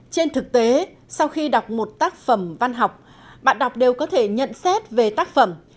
trên thực tế sau khi đọc một tác phẩm văn học bạn đọc đều có thể nhận xét về tác phẩm